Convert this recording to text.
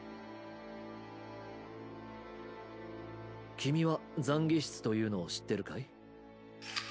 君は「懺悔室」というのを知ってるかい？